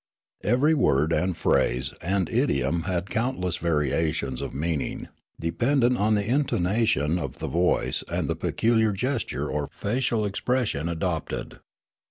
Every word and phrase and idiom had countless variations of meaning dependent on the in tonation of the voice and the peculiar gesture or facial expression adopted.